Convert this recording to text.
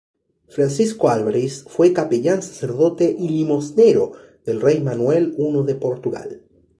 Francisco Álvares fue capellán-sacerdote y limosnero del rey Manuel I de Portugal.